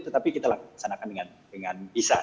tetapi kita laksanakan dengan bisa